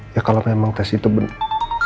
ya kalau memang tes itu benar